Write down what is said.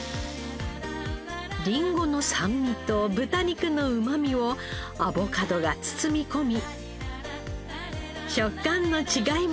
リンゴの酸味と豚肉のうまみをアボカドが包み込み食感の違いも